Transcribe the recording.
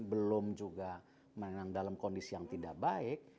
belum juga menang dalam kondisi yang tidak baik